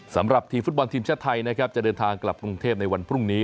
สำหรับทีมฟุตบอลทีมชาติไทยนะครับจะเดินทางกลับกรุงเทพในวันพรุ่งนี้